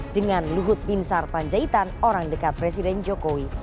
dengan luhut bin sar panjaitan orang dekat presiden jokowi